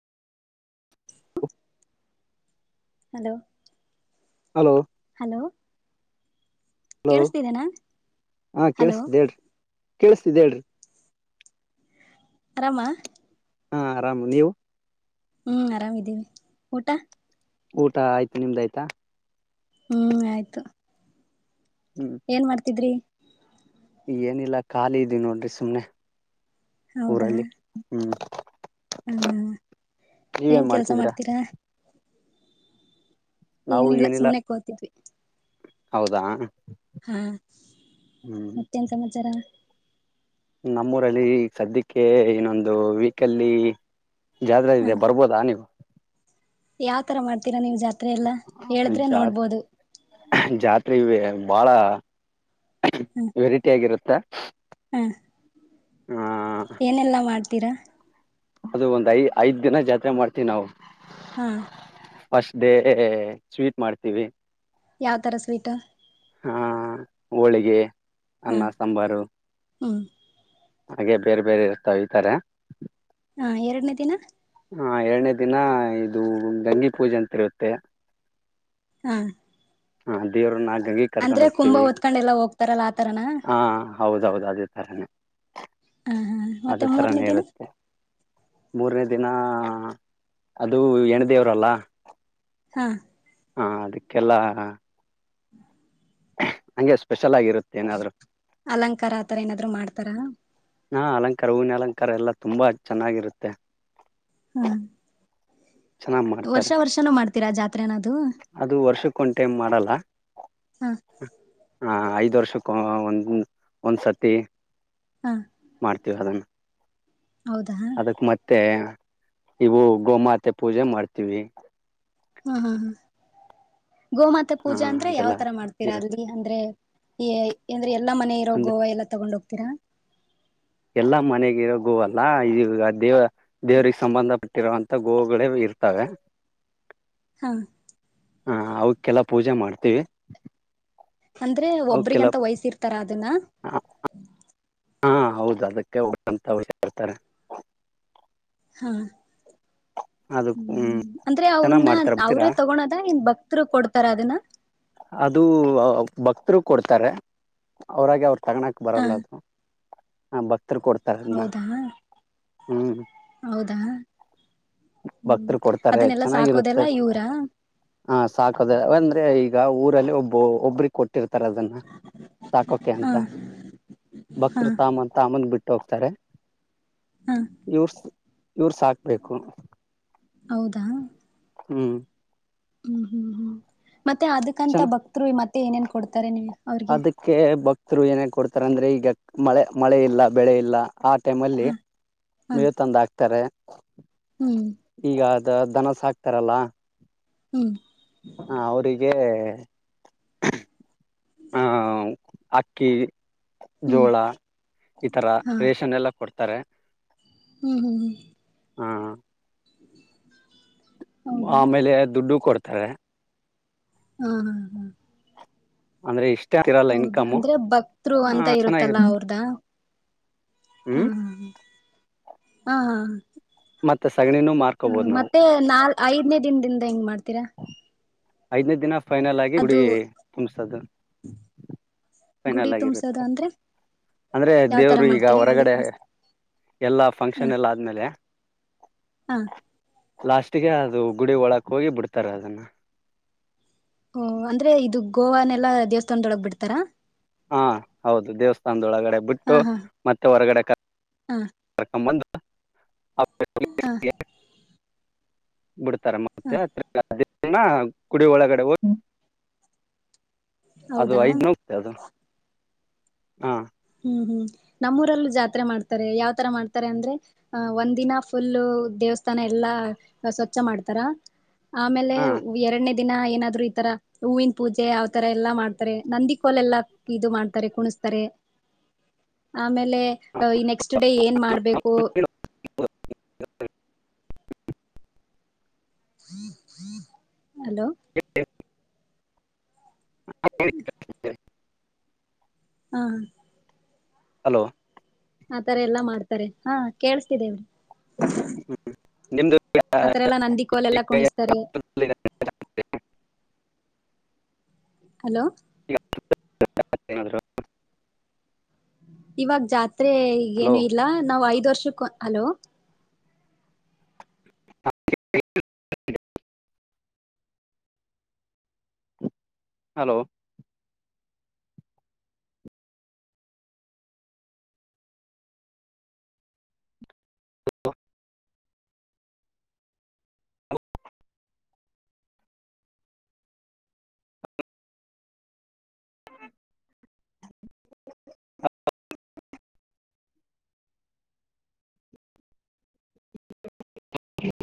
[inaudible] hello hello hello hello ಕೇಳಿಸ್ತಿದ್ದೇನಾ ಹಾ hello ಕೇಳಿಸಿದೆ ಹೇಳ್ರಿ ಕೇಳಿಸತಿದ್ದ ಹೇಳ್ರಿ ಆರಾಮ ಹಾ ಆರಾಮ್ ನೀವು ಹ್ಮ್ ಆರಾಮಿದ್ದೀವಿ ಊಟ ಊಟ ಆಯ್ತು ನಿಮ್ದ ಆಯ್ತಾ ಹ್ಮ್ ಆಯ್ತು ಹ್ಮ್ ಏನ್ ಮಾಡ್ತಿದ್ರಿ ಏನಿಲ್ಲ ಖಾಲಿ ಇದವಿ [unintelligible] ನೋಡ್ರಿ ಸುಮ್ನೆ ಊರಲ್ಲಿ ಹ್ಮ್ ಹ್ಮ ಹ್ಮ ಏನ್ ನೀವೇನ್ ಕೆಲ್ಸ ಮಾಡ್ತಿದೀರಾ ಮಾಡ್ತೀರಾ ಏನಿಲ್ಲ ಸುಮ್ನೆ ಕೋತಿದ್ವಿ ಹೌದಾ ಹಾ ಹ್ಮ್ ಮತ್ತೆನ್ ಸಮಚಾರ ನಮ್ಮೂರಲ್ಲಿ ಸದ್ಯಕ್ಕೆ ಇನೊಂದು ವೀಕಲ್ಲಿ ಜಾದ್ರದೆ [unintelligible] ಬರ್ಬೋದಾ ನೀವು ಯಾವ್ ತರ ಮಾಡ್ತೀರಾ ನೀವ್ ಜಾತ್ [unintelligible] ತ್ರೆ ಎಲ್ಲ ಹೇಳಿದ್ರೆ ನೋಡ್ಬೋದು [unintelligible] ಬಾಳ ಹ್ಮ ವೆರೈಟಿ ಆಗಿರುತ್ ತ್ [unintelligible] ಹಾ ತಿರ ಅದು ಒಂದ್ ಐ ಐದ್ ದಿನ ಜಾತ್ರೆ ಮಾಡ್ತೀವಿ ನಾವು ಹ್ಮ ಫಸ್ಟ್ ಡೇ ಸ್ವೀಟ್ ಮಾಡ್ತೀವಿ ಯಾವ್ ತರ ಸ್ವೀಟ್ ಹಾ ಹೋಳಿಗೆ ಅನ್ನ ಸಾಂಬಾರು ಹ್ಮ ಹಾಗೆ ಬೇರೆ ಬೇರೆ ಇರ್ತಾವ [unintelligible] ಹಾ ಎರಡನೇ ದಿನ ಹಾ ಎರಡನೇ ದಿನ ಇದು ಗಂಗೆ ಪೂಜೆ ಅಂತರುತ್ತೆ ಹಾ ಹ ದೇವ್ರನ್ನ [unintelligible] ಕರ್ಕೊಂಡ ಅಂದ್ರೆ ಕುಂಭ ಹೋಗ್ತೀವಿ ಓದ್ಕೊಂಡೆಲ್ಲಾ ಹೋಗ್ತಾರಲ್ಲ ಆತರನಾ ಹಾ ಹೌದೌದು ಅದೇ ತರನೇ ಹ ಹಾ ಮತ್ತೆ ಅದೇ ಮೂರನೇ ತರಾನೇ ದಿನ ಇರುತ್ತೆ ಮೂರನೇದ [unintelligible] ದಿನ ಅದು ಹೆಣ್ಣದೇವ್ರಲ್ಲ ಹಾ ಹಾ ಅದಕ್ಕೆಲ್ಲಾ ಹಂಗೆ ಸ್ಪೆಷ ಅಲಂಕಾರ ಆತರ ಏನಾದ್ರು ಮಾಡ್ತ ತರ ಹಾ ಅಲಂಕಾರ ಹೂವಿನ ಅಲಂಕಾರ ಎಲ್ಲಾ ತುಂಬಾ ಚೆನ್ನಾಗಿರುತ್ತೆ ಹ್ಮ ಚೆನ್ನಾಗ್ ಮಾಡ್ತಾರೆ ಜಾತ್ರೆನದು ಅದು ವರ್ಷಕ್ಕ ಒಂದ ಟೈಮ್ ಮಾಡಲ್ಲ ಹಾ ಹ ಐದು ವರ್ಷಕ್ಕ ಒಂದು ಒಂದ್ಸತಿ ಹಾ ಮಾಡ್ತೀವಿ ಅದನ್ನ ಹೌದಾ ಹಾ ಅದುಕ್ ಮತ್ತೇ ಇವು ಗೋಮಾತೆ ಪೂಜೆ ಮಾಡ್ತಿವಿ ಆ ಹಾ ಹಾ ಹಾ ಗೋಮಾತೆ ಹಾ ಪೂಜೆ ಅಂದ್ರೆ ಅದೆಲ್ಲ ಯಾವ್ ತರ ಮಾಡ್ತೀರಾ ಇರುತ್ತೆ ಅಲ್ಲಿ ಅಂದ್ರೆ ಈ ಅಂದ್ರೆ ಎಲ್ಲ ಮನೆ ಇರೋ ಅಂದ್ರೆ ಗೋವಾ ಎಲ್ಲ ತಗೊಂಡ್ ಹೋಗ್ ತೀರಾ ಎಲ್ಲಾ ಮನೆಗಿರೋ ಗೋ ವಲ್ಲ ಈಗ ದೇವ ದೇವ್ರಿಗ್ ಸಂಬಂಧಪಟ್ಟಿರುವಂತ ಗೋವುಗಳೇ ಇರ್ತವೆ ಹಾ ಹಾ ಅವ್ಕ್ಕೆಲ್ಲ ಪೂಜೆ ಮಾಡ್ತಿವಿ ಅಂದ್ರೆ ಒಬ್ರಿಗಂತ ವಯ್ಸಿರ್ತರ ಅದುನ್ನ ಹ ಹಾ ಹೌದು ಅದಕ್ಕೆ [unintelligible] ಇರ್ತಾರೆ ಹಾ ಹ್ಮ್ ಅಂದ್ರೆ ಚೆನ್ನಾಗ್ ಅವುನ್ನ ಮಾಡ್ತಾರ ಬರ್ತೀರಾ ಅವ್ರೇ ತಗೋಣದಾ ಇನ್ ಭಕ್ತ್ರು ಕೊಡ್ತಾರ ಅದನ್ನ ಅದು ಬಕ್ತ್ರು ಕೊಡ್ತರೆ ಅವ್ರಾಗೆ ಅವ್ರ್ ತಗಣಕ್ ಹಾ ಬರಲ್ಲ ಅದು ಹಾ ಬಕ್ ತ್ರು ಕೊಡ್ತಾರದ್ನ ಹೌದಾ ಹ್ಮ್ ಹೌದಾ ಹ್ಮ್ ಭಕ್ತ್ರು ಕೊಡ್ತಾರೆ ಅದನ್ನೆಲ್ಲಾ ಚೆನಾಗಿರುತ್ತೆ ಸಾಕೋದೆಲ್ಲ ಇವ್ರಾ ಹ ಸಾಕದೆ ವಂದ್ರೆ ಈ ಊರಲ್ಲಿ ಒಬ್ಬೊ ಒಬ್ಬ್ರಿಗ್ ಕೊಟ್ಟಿರ್ ತರ್ ಅದುನ್ನ ಸಾಕೋಕೆ ಹಾ ಅಂತ ಹಾ ಭಕ್ತ್ರು ತಾಮ್ಬಂದ್ ತಾಮ್ಬಂದ್ ಬಿಟ್ ಹೋಗ್ತರೆ ಹಾ ಯೂರ್ಸ್ ಇವ್ರ್ ಸಾಕ್ಬೇಕು ಹೌದಾ ಹ್ಮ್ ಹ್ಮ್ ಹ್ಮ್ ಹ್ಮ್ ಮತ್ತೆ ಅದುಕ್ಕಂತ ಭಕ್ತ್ರು ಇ ಮತ್ ತ್ತೆ ಏನೇನ್ ಕೊಡ್ತರೆ ನಿಮ್ ಅದಿಕ್ಕೆ ಬಕ್ ತ್ರು ಏನೇ ಕೊಡ್ತರೆ ಅಂದ್ರೆ ಈಗ ಮಳೆ ಮಳೆ ಇಲ್ಲ ಬೆಳೆ ಇಲ್ಲ ಆ ಟೈಮಲ್ಲಿ ಹ ಮೇವು ತಂದ್ ಹಾಕ್ತರೆ ಹ್ಮ್ ದ ದನ ಸಾಕ್ತರಲ್ಲ ಹ್ಮ್ ಹ ಅವ್ರಿಗೇ ಹ ಹ ಹ ಅವ್ ಅಕ್ಕಿ ಹ್ಮ್ ಜೋಳ ಇತರ ರೇಷನ್ ಎಲ್ಲ ಕೊಡ್ತಾರೆ ಹ್ಮ ಹ್ಮ್ ಹ್ಮ ಹ ಹೌದಾ ಆಮೇಲೆ ದುಡ್ಡು ಕೊಡ್ತ ತರೇ ಹ್ಮ್ ಅಂದ್ರೆ ಇಷ್ಟ ಹೌದಾ ಅಂದ್ರೆ ಭಕ್ತ್ರು ಅಂತ ಇರುತ್ತಲ್ಲಾ ಚೆನ್ನಾಗಿರುತ್ತೆ ಅವ್ರದ ಹಾ ಹ್ಮ್ ಹಾ ಹಾ ಹಾ ಹಾ ಮತ್ತಸಾ ಹ ಮತ್ತೆ ನಾ ಐದನೇ ದಿನದಿಂದ ಹೆಂಗ್ ಮಾಡ್ತ ತಿರ ಐದನೇ ದಿನ ಫೈನಲ್ ಆಗಿ ಗುಡಿ ತುಂಬಸದು ಗುಡಿ ಫೈನಲ್ ತುಂಬಸೋದು ಆಗಿರುತ್ತೆ ಅಂದ್ರೆ ಅಂದ್ರೆ ಯಾವ್ ತರ ದೇವ್ರು ಈಗ ಮಾಡ್ತೀರಾ ಗುಡಿ ಹೊರಗಡೆ ತುಂಬಸ ಎಲ್ಲ ಹ ಫಂಕ್ಷನ್ ಎಲ್ಲ ಆದ್ಮೇಲೆ ಹಾ ಲಾಸ್ಟ್ಗೆ ಅದು ಗುಡಿ ಒಳಕ್ ಹೋಗಿ ಬಿಡ್ತಾರ ಅದನ್ನ ಓ ಅಂದ್ರೆ ಇದು ಗೋವಾನೆಲ್ಲಾ ದೇವಸ್ಥಾನದೊಳಗೆ ಬಿಡ್ತಾರಾ ಹಾ ಹೌದು ದೇವಸ್ಥಾನದೊಳಗಡೆ ಬಿಟ್ಟು ಹಾ ಹಾ ಮತ್ತೆ ಹೊರಗಡೆ ಹಾ ಕರ್ಕೊಂಡ ಬಂದು ಹ ಹಾ ಬಿಡ್ತಾರ ಹಾ ಮತ್ತೆ ದಿನ ಗುಡಿ ಒಳಗಡೆ ಹೋಗಿ ಅದು ಐದ್ ಹೌದಾ ದಿನ ಇರುತ್ತೆ [unintelligible] ಹಾ ಹ್ಮ್ ಹ್ಮ್ ನಮ್ಮೂರಲ್ಲೂ ಜಾತ್ರೆ ಮಾಡ್ತಾರೆ ಯಾವತರ ಮಾಡ್ತಾರೆ ಅಂದ್ರೆ ಅ ಒಂದ್ ದಿನ ಫುಲ್ ದೇವಸ್ಥಾನ ಎಲ್ಲಾ ಸ್ವಚ್ಛ ಮಾಡ್ತಾರ ಹೂ ಆಮೇಲೆ ಹಾ ವ ಎರಡನೇ ದಿನ ಏನಾದ್ರು ಈ ತರ ಹೂವಿನ ಪೂಜೆ ಅವ ತರ ಎಲ್ಲಾ ಮಾಡ್ತಾರೆ ನಂದಿ ಕೋಲ್ ಎಲ್ಲಾ ಇದು ಮಾಡ್ತಾರೆ ಕುಣಿಸ್ತರೆ ಆಮೇಲೆ ಅ ನೆಕ್ಸ್ಟ್ ಡೇ ಏನ್ ಮಾಡ್ಬೇಕು ವ ಹಿ ಹಕ್ ಜಿ ಜಿ ಹಲೋ ಹಾ ಹೇಳಿ ಕೇಳಿಸುತ್ತೆ ಹಾ ಹಲೋ ಆತರ ಎಲ್ಲಾ ಮಾಡ್ತಾರೆ ಹಾ ಕೇಳುಸ್ತಿದೆ ಹ್ಮ ನಿಮ್ದು ಆ ಆತರ ಗಾ ಎಲ್ಲಾ ಗ ಅ ನಂದಿ ಕೋಲ್ ತೆ ಎಲ್ಲಾ ಕೈ ಕುಣಸ್ತಾರೆ ಬ್ಲೈಂಡ್ ಟ ಟ ಕ ತ ಹಲೋ ಇವಾಗ ಜಾತ ದ್ರೆ ಹಲೋ ಈಗಏನು ಇಲ್ಲಾ ನಾವ್ ಐದ್ ವರ್ಷ ಎ ಕೊ ಹಲೋ ಆ ಕೆ ಕೆ ಪಾಸ್ತಿಗೆಟ್ ಹಲೋ ಹು ಹಕ್ ಹಾ ಹಕ್ ಹಕ್ ಹಕ್ ಹಾಕಿಯ